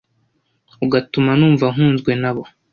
ugatuma numva nkunzwe nabo